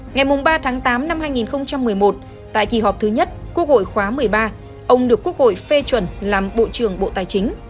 ngày ba tháng tám năm hai nghìn một mươi một tại kỳ họp thứ nhất quốc hội khóa một mươi ba ông được quốc hội phê chuẩn làm bộ trưởng bộ tài chính